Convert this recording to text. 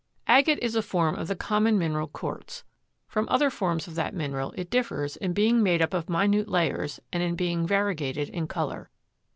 Agate is a form of the common mineral quartz. From other forms of that mineral it differs in being made up of minute layers and in being variegated in color.